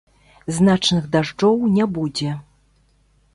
Значных дажджоў не будзе.